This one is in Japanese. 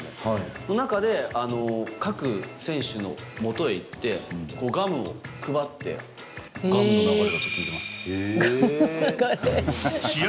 その中で、各選手のもとへ行って、ガムを配って、ガムの流って聞い試合